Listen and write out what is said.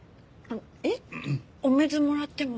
えっ？お水もらっても。